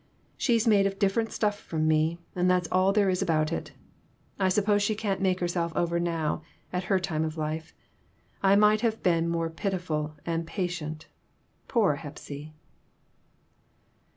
She's made of different stuff from me, and that's all there is about it. I suppose she can't make herself over now, at her time of life. I might have been more pitiful and patient. Poor Hepsy